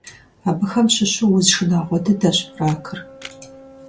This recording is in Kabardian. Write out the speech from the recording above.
Абыхэм щыщу уз шынагъуэ дыдэщ ракыр.